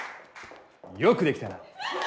よくできたな！